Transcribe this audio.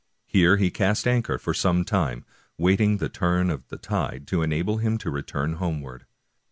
^ Here he cast anchor for some time, waiting the turn of the tide to enable him to return home ward.